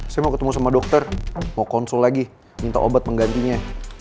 saya mau ketemu sama dokter mau konsul lagi minta obat penggantinya